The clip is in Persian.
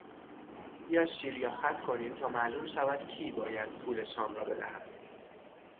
بیا شیر یا خط کنیم تا معلوم شود کی باید پول شام را بدهد.